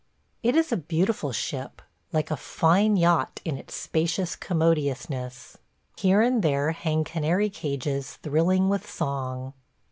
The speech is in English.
... It is a beautiful ship; like a fine yacht in its spacious commodiousness. Here and there hang canary cages thrilling with song.